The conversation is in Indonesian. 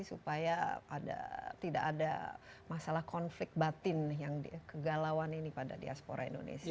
supaya tidak ada masalah konflik batin yang kegalauan ini pada diaspora indonesia